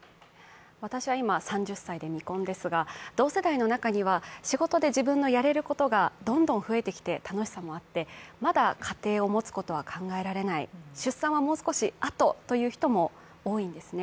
私は今、３０歳で未婚ですが、同世代の中には仕事で自分のやれることがどんどん増えてきて楽しさもあって、まだ家庭を持つことは考えられない、出産はもう少しあとという方も多いんですよね。